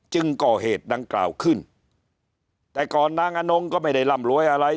ก่อเหตุดังกล่าวขึ้นแต่ก่อนนางอนงก็ไม่ได้ร่ำรวยอะไร